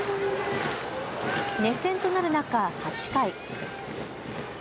熱戦となる中、８回。